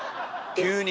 急に？